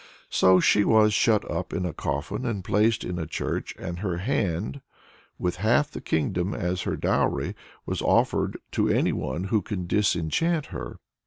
So she was shut up in a coffin and placed in a church, and her hand, with half the kingdom as her dowry, was offered to any one who could disenchant her.